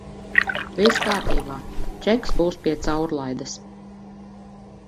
Viss kārtībā, čeks būs pie caurlaides.